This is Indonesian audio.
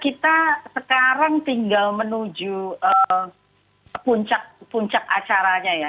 kita sekarang tinggal menuju puncak acaranya ya